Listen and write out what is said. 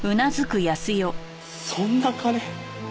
そんな金。